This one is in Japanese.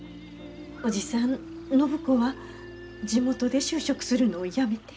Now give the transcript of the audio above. おじさん暢子は地元で就職するのをやめて。